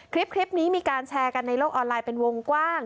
คลิปนี้มีการแชร์กันในโลกออนไลน์เป็นวงกว้าง